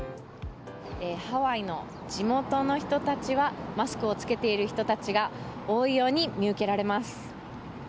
ハワイの地元の人たちは、マスクをつけている人たちが多いように見受けられます。